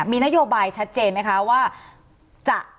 มีนโยบายชัดเจนไหมคะว่าจะ